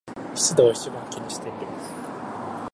湿度を一番気にしている